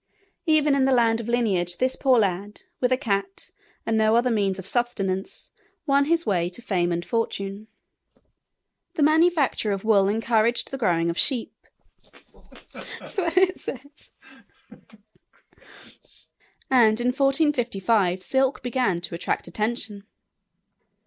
Even in the land of lineage this poor lad, with a cat and no other means of subsistence, won his way to fame and fortune. The manufacture of wool encouraged the growing of sheep, and, in 1455, silk began to attract attention.